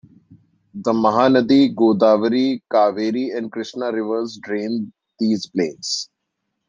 The Mahanadi, Godavari, Kaveri and Krishna rivers drain these plains.